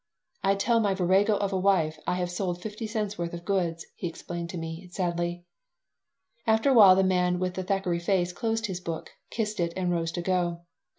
"I tell my virago of a wife I have sold fifty cents' worth of goods," he explained to me, sadly After a while the man with the Thackeray face closed his book, kissed it, and rose to go.